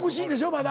まだ。